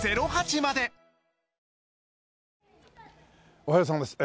おはようさんです。